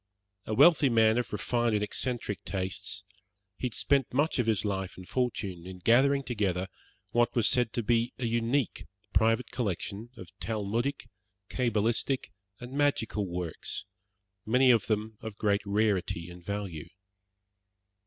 A wealthy man of refined and eccentric tastes, he had spent much of his life and fortune in gathering together what was said to be a unique private collection of Talmudic, cabalistic, and magical works, many of them of great rarity and value.